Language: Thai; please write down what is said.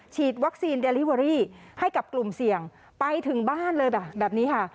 ฉีดวัคซีนเดลิเวอรี่ให้กับกลุ่มเสี่ยงไปถึงบ้านเลยแบบแบบนี้ค่ะ